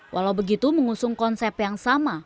walau begitu mengusung konsep yang sama